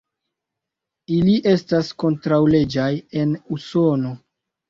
Ili estas kontraŭleĝaj en Usono.